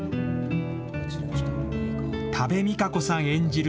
多部未華子さん演じる